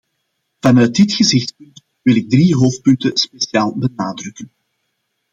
Vanuit dit gezichtspunt wil ik drie hoofdpunten speciaal benadrukken.